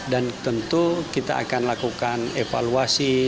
dan tentu kita akan lakukan evaluasi